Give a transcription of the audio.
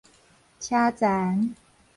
車罾